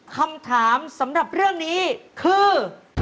คำถามสำหรับเรื่องนี้คือ